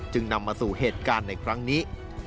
นำมาสู่เหตุการณ์ในครั้งนี้